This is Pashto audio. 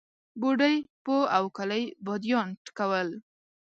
بوډۍ په اوکلۍ باديان ټکول.